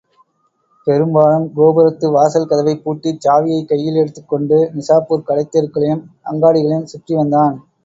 பெரும்பாலும் கோபுரத்து வாசல் கதவைப் பூட்டிச் சாவியைக் கையில் எடுத்துக் கொண்டு நிசாப்பூர்க் கடைத் தெருக்களையும் அங்காடிகளையும் சுற்றிவந்தான்.